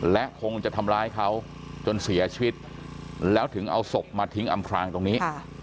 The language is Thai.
และคงจะทำร้ายเขาจนเสียชีวิตแล้วถึงเอาศพมาทิ้งอำพลางตรงนี้